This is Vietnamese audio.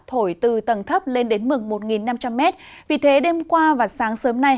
thổi từ tầng thấp lên đến mực một năm trăm linh m vì thế đêm qua và sáng sớm nay